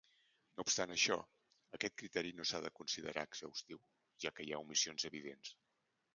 No obstant això, aquest criteri no s'ha de considerar exhaustiu, ja que hi ha omissions evidents.